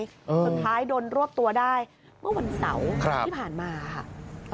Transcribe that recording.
สุดท้ายโดนรวบตัวได้เมื่อวันเสาร์ที่ผ่านมาค่ะ